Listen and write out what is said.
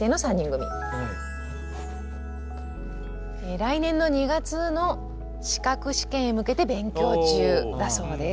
来年の２月の資格試験へ向けて勉強中だそうです。